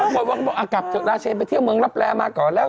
คนบางคนบอกกลับจากราชเชนไปเที่ยวเมืองรับแรมาก่อนแล้ว